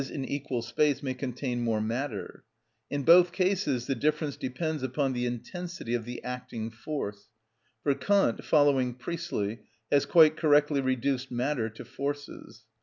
_, in equal space may contain more matter: in both cases the difference depends upon the intensity of the acting force; for Kant (following Priestley) has quite correctly reduced matter to forces.